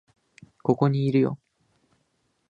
ここにいるよ